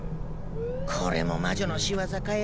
これも魔女の仕業かよ。